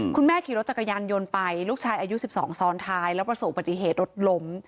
คุณแม่ขี่รถจักรยานยนต์ไปลูกชายอายุ๑๒ซ้อนท้ายแล้วประสบปฏิเหตุรถล้ม